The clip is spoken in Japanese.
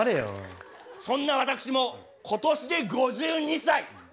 そんな私も今年で５２歳。